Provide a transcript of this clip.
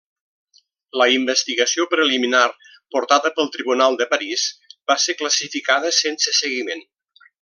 La investigació preliminar portada pel tribunal de París va ser classificada sense seguiment.